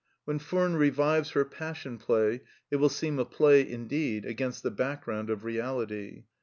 When Furnes revives her Passion play, it will seem a play indeed against the background of reality.